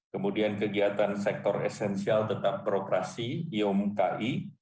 kemudian kegiatan sektor esensial tetap beroperasi iomki